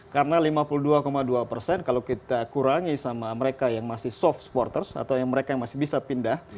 karena lima puluh dua dua persen kalau kita kurangi sama mereka yang masih soft supporters atau yang mereka yang masih bisa pindah